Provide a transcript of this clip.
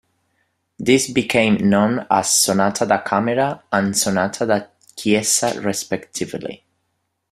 These became known as "sonata da camera" and "sonata da chiesa" respectively.